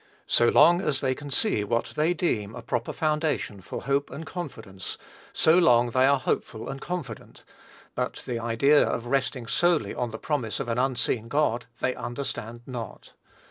So long as they can see what they deem a proper foundation for hope and confidence, so long they are hopeful and confident; but the idea of resting solely on the promise of an unseen God, they understand not.